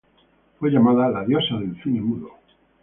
Fue llamada "La diosa del cine mudo".